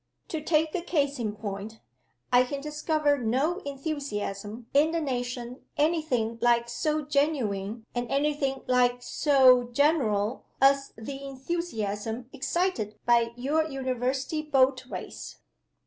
To take a case in point: I can discover no enthusiasm in the nation any thing like so genuine and any thing like so general as the enthusiasm excited by your University boat race.